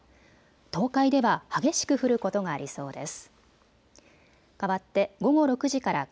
東海では激しく降ることがありそうです。